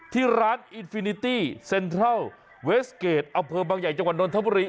ที่ร้านอินฟินิตี้เซ็นทรัลเวสเกรดอำเภอบังใหญ่จังหวันดนตร์ธรรมบริ